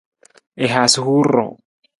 I haasa huur ruu.